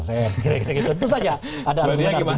terus saja ada anggaran